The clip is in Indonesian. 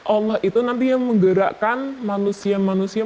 allah itu nanti yang menggerakkan manusia manusia